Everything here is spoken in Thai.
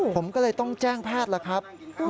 ผมก็เลยต้องแจ้งแพทย์แล้วครับ